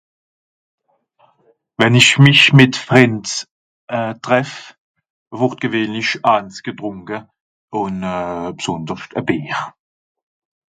wenn ich mich met frind euh treff wort gewähnlich aans getrunke un euh b'sonderscht a bier